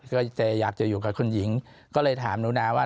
ก็จะอยากจะอยู่กับคุณหญิงก็เลยถามหนูนาว่า